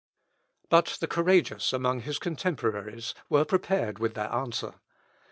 But the courageous among his contemporaries were prepared with their answer.